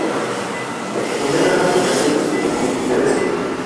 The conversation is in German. Um Mitternacht wechselt das Publikum in der Disco.